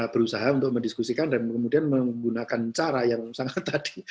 berusaha untuk mendiskusikan dan kemudian menggunakan cara yang sangat tadi